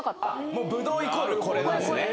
ブドウイコールこれなんすね。